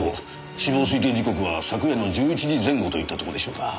死亡推定時刻は昨夜の１１時前後といったとこでしょうか。